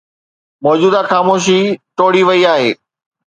موجوده خاموشي ٽوڙي وئي آهي.